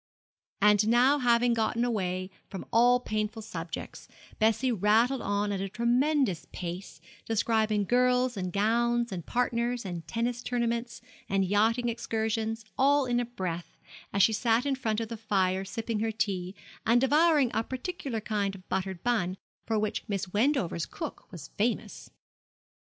And now having got away from all painful subjects, Bessie rattled on at a tremendous pace, describing girls and gowns, and partners, and tennis tournaments, and yachting excursions, all in a breath, as she sat in front of the fire sipping her tea, and devouring a particular kind of buttered bun for which Miss Wendover's cook was famous.